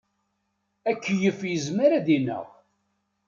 Akeyyef yezmer ad ineɣ.